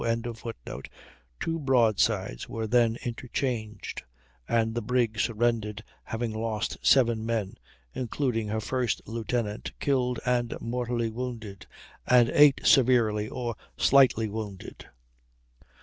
] two broadsides were then interchanged, and the brig surrendered, having lost 7 men, including her first lieutenant, killed and mortally wounded, and 8 severely or slightly wounded.